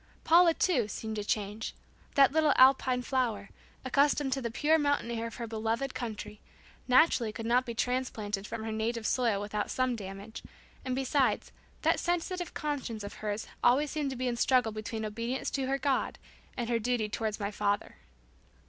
Paula, too, seemed to change. That little Alpine flower, accustomed to the pure mountain air of her beloved country, naturally could not be transplanted from her native soil without some damage, and besides, that sensitive conscience of hers always seemed to be in a struggle between obedience to her God and her duty towards my father.